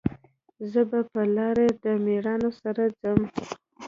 زه به په لار د میړانو سره ځم